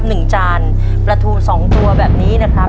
พรุงที่นะครับ๑จานประทู๒ตัวแบบนี้นะครับ